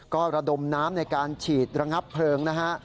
ก็ระดมน้ำในการฉีดระงับเพลิงนะฮะ